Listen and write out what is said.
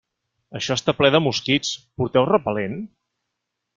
Això està ple de mosquits, porteu repel·lent?